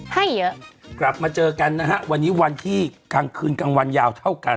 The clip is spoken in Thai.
ให้เยอะกลับมาเจอกันนะฮะวันนี้วันที่กลางคืนกลางวันยาวเท่ากัน